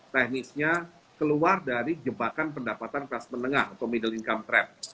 teknisnya keluar dari jebakan pendapatan kelas menengah atau middle income trap